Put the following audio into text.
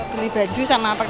beli baju sama pernak pernik